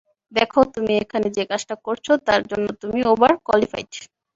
দেখ, তুমি এখানে যে কাজটা করছো, তার জন্য তুমি ওভার কোয়ালিফাইড।